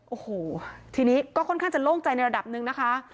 โอ้โหทีนี้ก็ค่อนข้างจะโล่งใจในระดับหนึ่งนะคะ